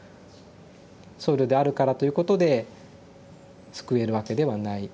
僧侶であるからということで救えるわけではない。